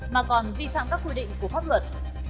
mà còn vi phạm các quy định của pháp luật